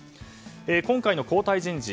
今回の交代人事